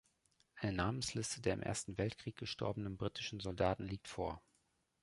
Eine Namensliste der im Ersten Weltkrieg gestorbenen britischen Soldaten liegt vor.